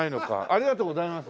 ありがとうございます。